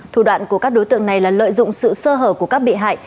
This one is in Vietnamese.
thủ đoạn của các đối tượng này là lợi dụng sự sơ hở của các bị hại